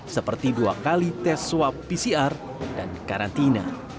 seperti dua kali tes swab pcr dan karantina